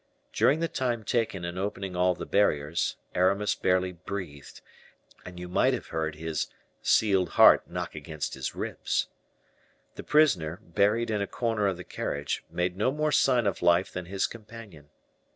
During the time taken in opening all the barriers, Aramis barely breathed, and you might have heard his "sealed heart knock against his ribs." The prisoner, buried in a corner of the carriage, made no more sign of life than his companion.